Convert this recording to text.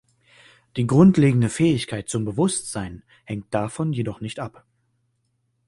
Die grundlegende Fähigkeit zum Bewusstsein hängt davon jedoch nicht ab.